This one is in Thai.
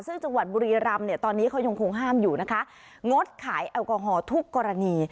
ซึ่งจังหวัดบุรีรำเนี่ยตอนนี้เขายังคงห้ามอยู่นะคะงดขายแอลกอฮอล์ทุกกรณี